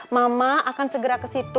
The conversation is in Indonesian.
mama akan segera kesitu